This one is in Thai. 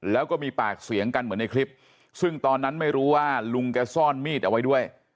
แล้วก็มีปากเสียงกันเหมือนในคลิปซึ่งตอนนั้นไม่รู้ว่าลุงแกซ่อนมีดเอาไว้ด้วย